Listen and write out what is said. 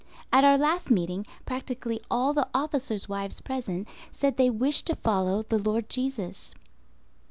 At our last meeting, practically all the officers' wives present said they wished to follow the Lord Jesus.